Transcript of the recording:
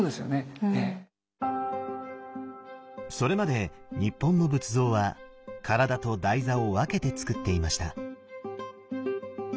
それまで日本の仏像は体と台座を分けてつくっていました。